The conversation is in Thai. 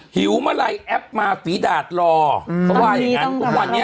หิวเมื่อไหร่แอปมาฝีดาดรอเขาว่าอย่างงั้นทุกวันนี้